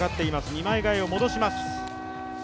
二枚替えを戻します。